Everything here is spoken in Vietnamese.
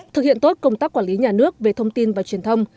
thực hiện tốt công tác quản lý nhà nước về thông tin và truyền thông